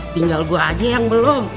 tinggal gue aja yang belum